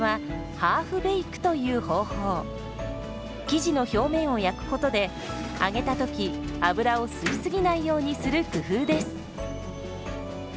生地の表面を焼くことで揚げた時油を吸い過ぎないようにする工夫です。